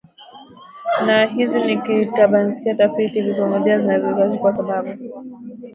na hizi ni ya tibayakibinafsi Tafiti za pidemioloji zinaisi kuwa sababu